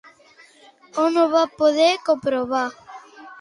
On ho va poder comprovar?